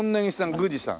宮司さん？